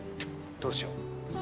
どうしよ。